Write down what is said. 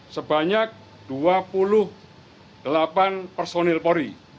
sebanyak dua puluh delapan personil polri